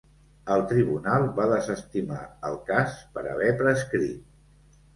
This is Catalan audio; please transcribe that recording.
El tribunal va desestimar el cas per haver prescrit.